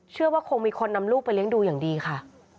เชื่อว่าคงมีคนนำลูกไปเลี้ยงดูอย่างดีค่ะ